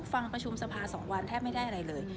ฟังประชุมสภา๒วันแทบไม่ได้อะไรเลย